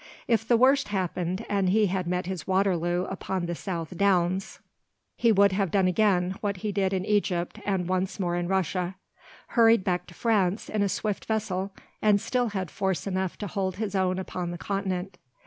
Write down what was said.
If the worst happened and he had met his Waterloo upon the South Downs, he would have done again what he did in Egypt and once more in Russia: hurried back to France in a swift vessel, and still had force enough to hold his own upon the Continent.